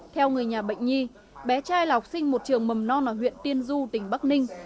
theo người nhà bệnh nhi bé trai là học sinh một trường mầm non ở huyện tiên du tỉnh bắc ninh